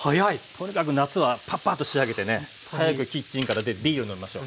とにかく夏はパッパッと仕上げてね早くキッチンから出てビール飲みましょ。